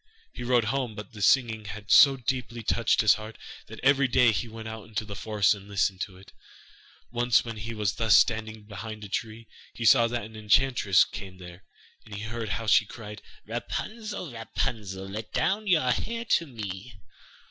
He rode home, but the singing had so deeply touched his heart, that every day he went out into the forest and listened to it. Once when he was thus standing behind a tree, he saw that an enchantress came there, and he heard how she cried: 'Rapunzel, Rapunzel, Let down your hair to me.